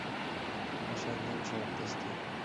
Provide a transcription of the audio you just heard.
অসাধারণ শট, দোস্ত!